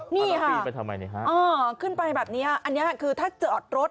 นี่ค่ะขึ้นไปแบบนี้อันนี้คือถ้าจอดรถ